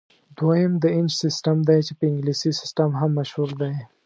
دویم د انچ سیسټم دی چې په انګلیسي سیسټم هم مشهور دی.